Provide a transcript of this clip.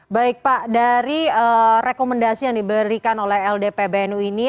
baik pak dari rekomendasi yang diberikan oleh ldpbnu ini